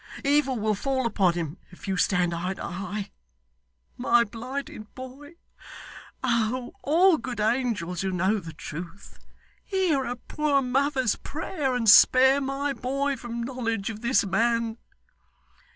Evil will fall upon him, if you stand eye to eye. My blighted boy! Oh! all good angels who know the truth hear a poor mother's prayer, and spare my boy from knowledge of this man!